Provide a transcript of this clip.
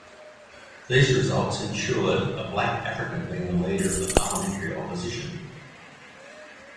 These results ensured a Black African being the Leader of the parliamentary opposition.